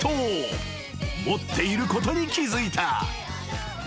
［持っていることに気付いた］